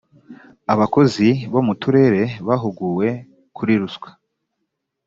abakozi bo mu turere bahuguwe kuri ruswa.